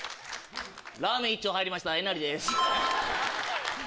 ラーメン１丁入りましたえなりです。